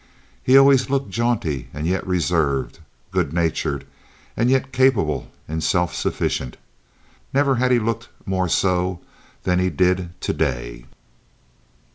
He always looked jaunty and yet reserved, good natured, and yet capable and self sufficient. Never had he looked more so than he did to day.